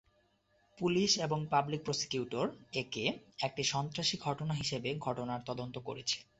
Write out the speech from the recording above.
Police এবং public prosecutor একে একটি সন্ত্রাসী ঘটনা হিসেবে ঘটনার তদন্ত করছে।